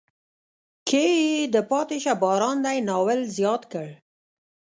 کې یې د پاتې شه باران دی ناول زیات کړ.